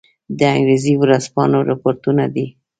د انګرېزي ورځپاڼو رپوټونه دي.